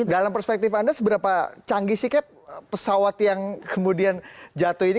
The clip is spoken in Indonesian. dalam perspektif anda seberapa canggih sih cap pesawat yang kemudian jatuh ini